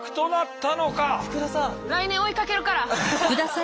来年追いかけるから。